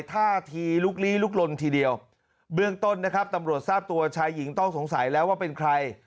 ท่าทีลุกลี้ลุกลนทีเดียวเบื้องต้นนะครับตำรวจทราบตัวชายหญิงต้องสงสัยแล้วว่าเป็นใคร